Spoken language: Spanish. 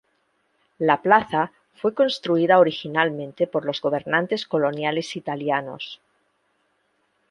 La plaza fue construida originalmente por los gobernantes coloniales italianos.